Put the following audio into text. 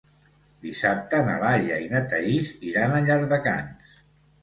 Dissabte na Laia i na Thaís iran a Llardecans.